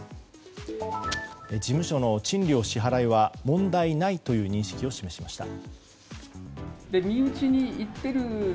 事務所の賃料支払いは問題ないという認識を示しました。